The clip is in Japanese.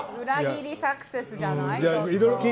裏切りサクセスじゃない！